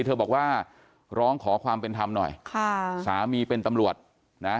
เธอบอกว่าร้องขอความเป็นธรรมหน่อยค่ะสามีเป็นตำรวจนะ